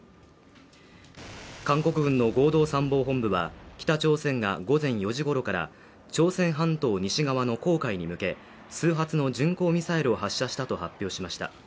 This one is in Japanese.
韓国軍の合同参謀本部は北朝鮮が午前４時ごろから朝鮮半島西側の黄海に向け、数発の巡航ミサイルを発射したと発表しました。